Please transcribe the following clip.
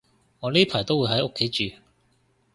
我呢排都會喺屋企住